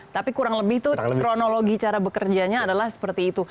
tapi kurang lebih itu kronologi cara bekerjanya adalah seperti itu